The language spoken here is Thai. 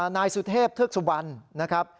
นายสุเทพธศึกสุวรรณนะครับ